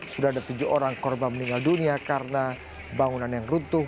sudah ada tujuh orang korban meninggal dunia karena bangunan yang runtuh